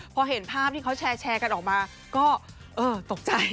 พอเห็นภาพที่เขาแชร์กันออกมาก็ตกใจ